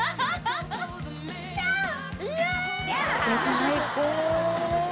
最高！